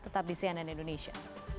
tetap di cnn indonesia